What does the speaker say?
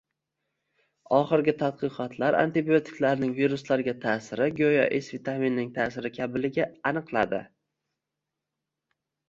oxirgi tadqiqotlar antibiotiklarning viruslarga ta’siri go‘yo S vitaminining ta’siri kabiligi aniqladi